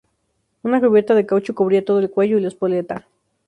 Una cubierta de caucho cubría todo el cuello y la espoleta.